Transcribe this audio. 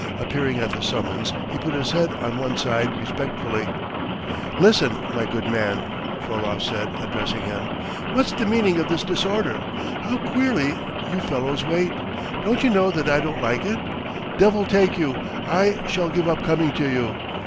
Appearing at the summons, he put his head on one side respectfully. "Listen, my good man," Frolov said, addressing him. "What's the meaning of this disorder? How queerly you fellows wait! Don't you know that I don't like it? Devil take you, I shall give up coming to you!"